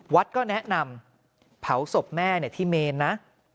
วัดก็แนะนำเผาศพแม่ที่เมนนะ